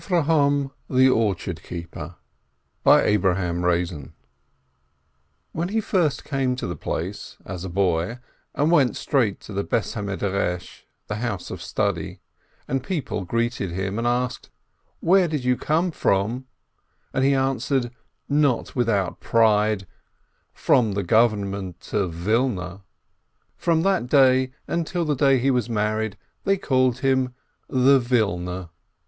AVROHOM THE ORCHARD KEEPER When he first came to the place, as a boy, and went straight to the house of study, and people, having greeted him, asked "Where do you come from?" and he answered, not without pride, "From the Government of Wilna" — from that day until the day he was married, they called him "the Wilner."